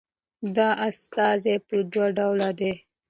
دا استازي په دوه ډوله ده